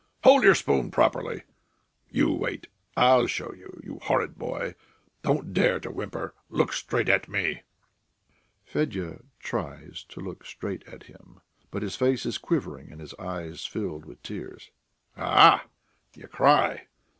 Hold your spoon properly! You wait. I'll show you, you horrid boy! Don't dare to whimper! Look straight at me!" Fedya tries to look straight at him, but his face is quivering and his eyes fill with tears. "A ah!... you cry?